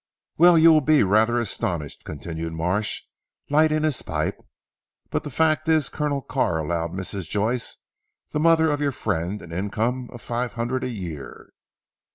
"Well, you will be rather astonished," continued Marsh lighting his pipe, "but the fact is Colonel Carr allowed Mrs. Joyce, the mother of your friend an income of five hundred a year."